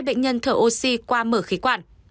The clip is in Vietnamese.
hai bệnh nhân thở oxy qua mở khí quản